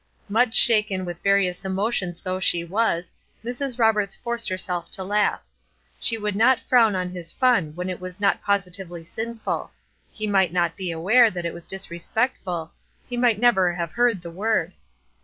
Much shaken with various emotions though she was, Mrs. Roberts forced herself to laugh. She would not frown on his fun when it was not positively sinful; he might not be aware that it was disrespectful; he might never have heard the word.